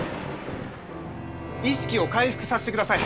意識を回復さしてください！